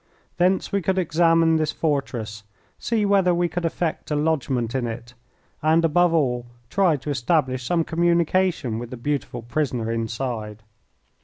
Thence we could examine this fortress, see whether we could effect a lodgment in it, and, above all, try to establish some communication with the beautiful prisoner inside.